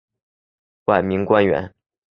晚明官员。